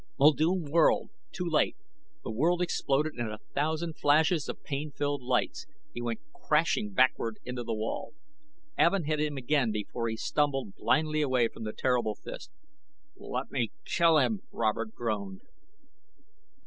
Muldoon whirled. Too late. The world exploded in a thousand flashes of pain filled lights. He went crashing backward into the wall. Evin hit him again before he stumbled blindly away from the terrible fist. "Let me kill him," Robert groaned.